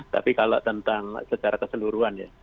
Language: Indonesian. tapi kalau tentang secara keseluruhan ya